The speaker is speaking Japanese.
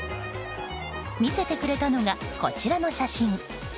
見せてくれたのが、こちらの写真。